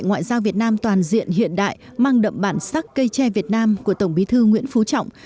ngoại giao việt nam toàn diện hiện đại mang đậm bản sắc cây tre việt nam của tổng bí thư nguyễn phú trọng